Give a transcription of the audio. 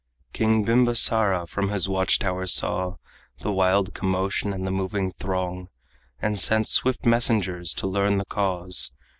King Bimbasara from his watch tower saw The wild commotion and the moving throng, And sent swift messengers to learn the cause.